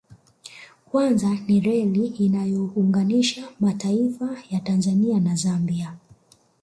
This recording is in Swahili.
Kwanza ni reli inayoyounganisha mataifa ya Tanzania na Zambia